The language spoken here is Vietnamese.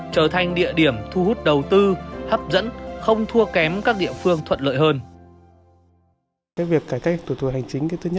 trở thành địa điểm thu hút đầu tư hấp dẫn không thua kém các địa phương thuận lợi hơn